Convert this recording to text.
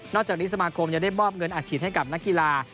นอกจากนี้สมาครมจะได้บ้อมเงินอาชีพให้กับนักกีฬา